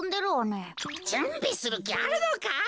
じゅんびするきあるのか！？